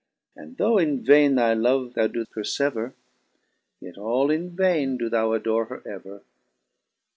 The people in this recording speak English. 287 And though in vaine thy love thou doe perfever, Yet all in vaine doe thou adore her ever.